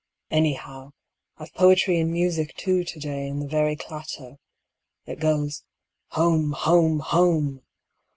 Anyhow I've poetry and music too to day in the very clatter: it goes "Home, home, home."